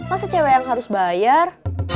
masa cewek yang harus bayar